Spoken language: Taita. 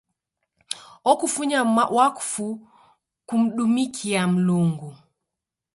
Okufunya wakfu kumdumikia Mlungu.